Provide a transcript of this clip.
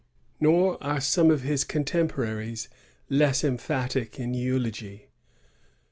Nor are some of his contemporaries less emphatic in eulogy.